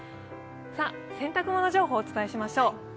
洗濯物情報をお伝えしましょう。